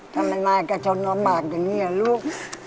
ทำไมนายกระชนลำบากอย่างนี้ลูก